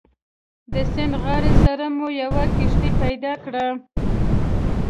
د سیند غاړې سره مو یوه کښتۍ پیدا کړه.